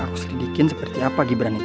aku selidikin seperti apa gibran itu